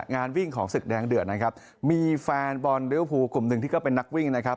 งานวิ่งของศึกแดงเดือดนะครับมีแฟนบอลริวภูกลุ่มหนึ่งที่ก็เป็นนักวิ่งนะครับ